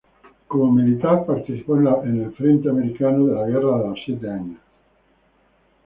Como militar participó en el frente americano de la guerra de los Siete Años.